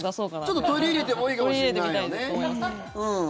ちょっと取り入れてみてもいいかもしれないよね。